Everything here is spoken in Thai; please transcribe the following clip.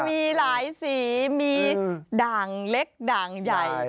มีหลายสีมีด่างเล็กด่างใหญ่